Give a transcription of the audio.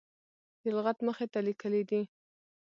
د لغت مخې ته لیکلي دي.